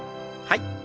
はい。